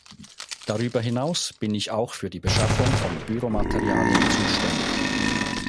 Darüber hinaus bin ich auch für die Beschaffung von Büromaterialien zuständig.